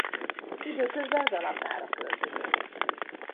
Időközben Zalatnára költözött.